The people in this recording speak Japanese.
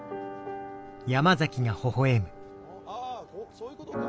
そういうことか！